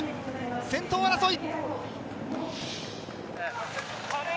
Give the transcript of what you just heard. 先頭争い！